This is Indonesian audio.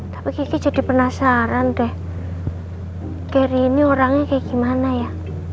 tapi kiki jadi penasaran deh keri ini orangnya kayak gimana ya